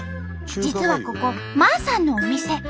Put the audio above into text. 実はここマーさんのお店。